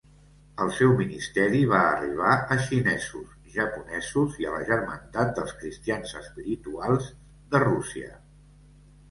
El seu ministeri va arribar a xinesos, japonesos i a la germandat dels cristians espirituals de Rússia.